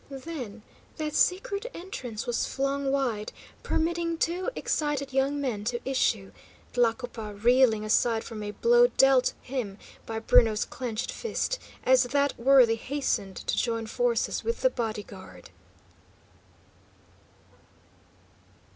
Then that secret entrance was flung wide, permitting two excited young men to issue, Tlacopa reeling aside from a blow dealt him by Bruno's clenched fist, as that worthy hastened to join forces with the body guard.